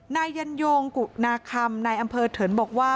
นายยันโยงกุนาคำนายอำเภอเถินบอกว่า